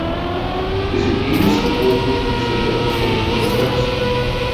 Dizze earste bondel is de delslach fan de wrakseling.